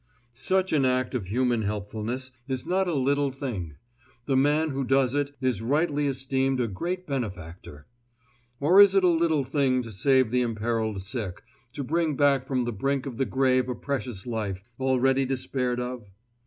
Such an act of human helpfulness is not a little thing; the man who does it is rightly esteemed a great benefactor. Or is it a little thing to save the imperiled sick, to bring back from the brink of the grave a precious life, already despaired of?